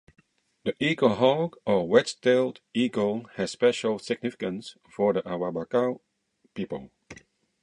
The eaglehawk or wedge-tailed eagle has special significance for the Awabakal people.